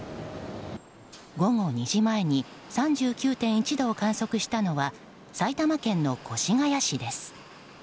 午後２時前に３９．１度を観測したのは埼玉県の越谷市です。